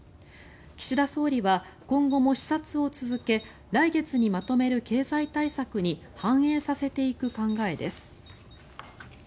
岸田総理は今後も視察を続け来月にまとめる経済対策に反映させていく考えです。